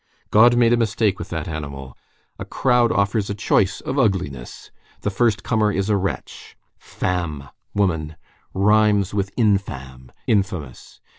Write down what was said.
God made a mistake with that animal. A crowd offers a choice of ugliness. The first comer is a wretch, Femme—woman—rhymes with infâme,—infamous.